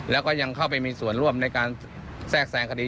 แล้วก็ยังเข้าไปมีส่วนร่วมในการแทรกแทรงคดี